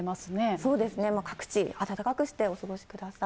そうですね、各地、暖かくしてお過ごしください。